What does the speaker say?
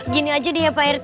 gini aja deh ya pak rt